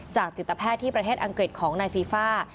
จิตแพทย์ที่ประเทศอังกฤษของนายฟีฟ่า